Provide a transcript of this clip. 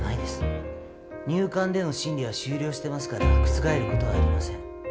入管での審理は終了してますから覆ることはありません。